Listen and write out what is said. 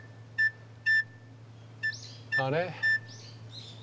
あれ？